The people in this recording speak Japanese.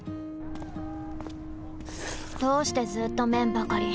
どうしてずーっと麺ばかり！